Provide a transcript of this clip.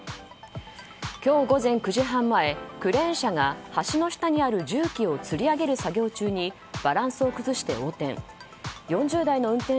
今日午前９時半前クレーン車が橋の下にある重機をつり上げる作業中にバランスを崩して横転。